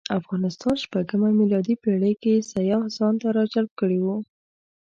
افغانستان شپږمه میلادي پېړۍ کې سیاح ځانته راجلب کړی و.